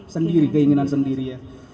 sendiri keinginan sendiri ya